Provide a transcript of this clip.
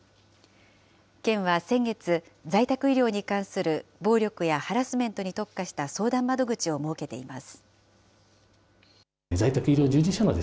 県は先月、在宅医療に関する暴力やハラスメントに特化した相談窓口を設けています。